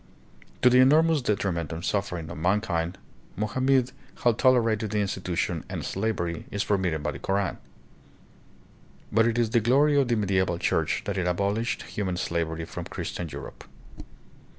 To the enormous detriment and suffering of mankind, Mohammed had tolerated the institution, and slavery is permitted by the Koran. But it is the glory of the medieval church that it abolished human slavery from Christian Europe.